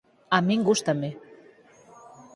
A min gústame.